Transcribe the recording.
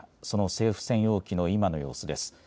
その政府専用機の今の様子です。